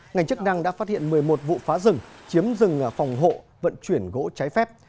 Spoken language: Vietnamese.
ngành chức năng đã phát hiện một mươi một vụ phá rừng chiếm rừng phòng hộ vận chuyển gỗ trái phép